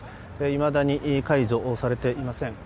いまだに解除されていません。